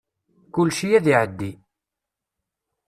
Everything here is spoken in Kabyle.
Kulci ad iεeddi.